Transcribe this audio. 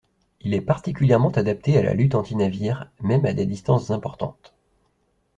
Il est particulièrement adapté à la lutte anti-navire, même à des distances importantes.